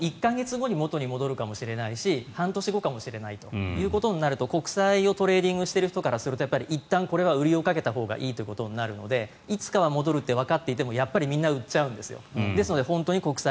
でももめると１か月後に元に戻るかもしれないし半年後かもしれないとなると国債をトレーディングしている人からするといったんこれは売りをかけたほうがいいとなるのでいつかは戻るとわかっていてもみんな売っちゃうんですよ。